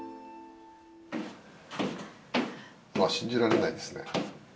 あっ信じられないですね。